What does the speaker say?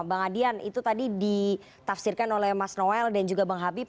bang adian itu tadi ditafsirkan oleh mas noel dan juga bang habib